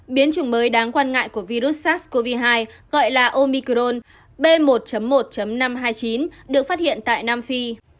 biến chủng mới đáng quan ngại của virus sars cov hai gọi là omicrone b một một năm trăm hai mươi chín được phát hiện tại nam phi